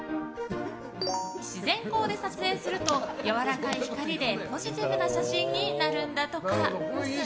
自然光で撮影するとやわらかい光でポジティブな写真になるんだとか。